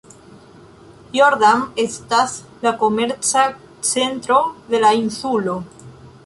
Jordan estas la komerca centro de la insulo.